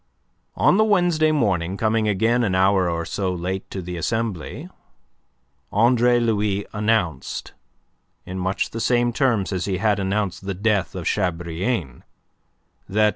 On the Wednesday morning, coming again an hour or so late to the Assembly, Andre Louis announced in much the same terms as he had announced the death of Chabrillane that M.